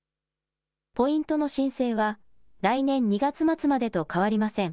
ポイントの申請は来年２月末までと変わりません。